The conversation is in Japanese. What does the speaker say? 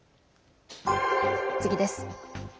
次です。